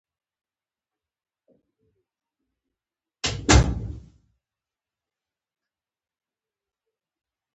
ظلمونه به پر خلکو باندې کول.